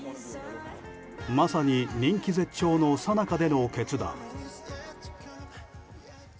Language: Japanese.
まさに人気絶頂のさなかでの決断。